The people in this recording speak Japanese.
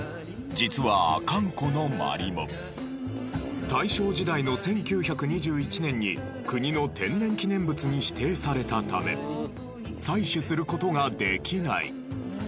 実は阿寒湖のマリモ大正時代の１９２１年に国の天然記念物に指定されたため採取する事ができない。